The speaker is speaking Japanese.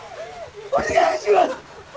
お願いします！